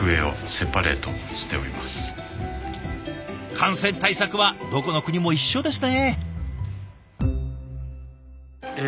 感染対策はどこの国も一緒ですね。